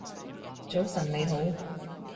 早晨你好